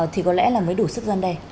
thì có lẽ là mới đủ sức gian đe